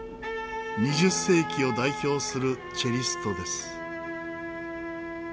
２０世紀を代表するチェリストです。